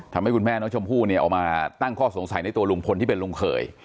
ทำให้คุณแม่น้องชมพู่เนี่ยออกมาตั้งข้อสงสัยในตัวลุงพลที่เป็นลุงเขย